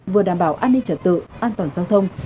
vừa đảm bảo an ninh trật tự an toàn giao thông